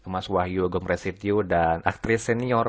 mas wahyu agung presetio dan aktris senior